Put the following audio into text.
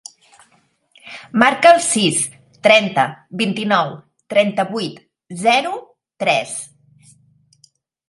Marca el sis, trenta, vint-i-nou, trenta-vuit, zero, tres.